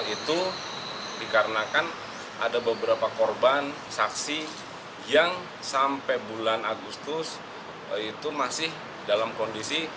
itu dikarenakan ada beberapa korban saksi yang sampai bulan agustus itu masih dalam kondisi